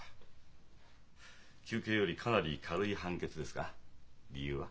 求刑よりかなり軽い判決ですが理由は？